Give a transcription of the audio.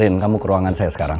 in kamu ke ruangan saya sekarang